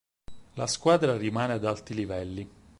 La squadra rimane ad alti livelli.